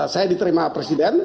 saya diterima presiden